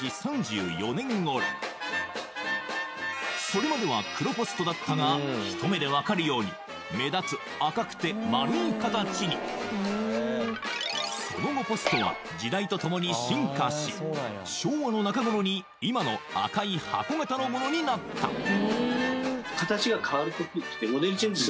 それまでは黒ポストだったが一目で分かるように目立つ赤くて丸い形にその後ポストは時代とともに進化し昭和の中頃に今の赤い箱形のものになったああ